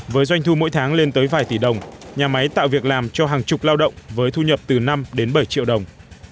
với doanh thu mỗi tháng lên tới vài tỷ đồng nhà máy tạo việc làm cho hàng chục lao động với thu nhập từ năm đến bảy triệu đồng